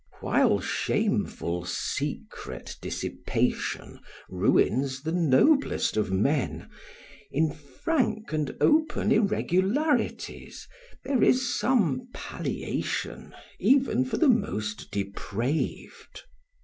While shameful secret dissipation ruins the noblest of men, in frank and open irregularities there is some palliation even for the most depraved.